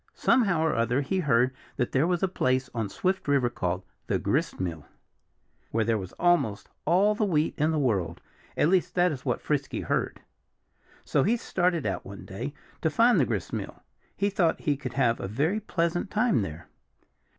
Somehow or other he heard that there was a place on Swift River called the gristmill, where there was almost all the wheat in the world at least that is what Frisky heard. So he started out, one day, to find the gristmill. He thought he could have a very pleasant time there.